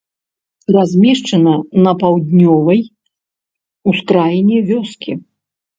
Размешчана на паўднёвай ускраіне вёскі.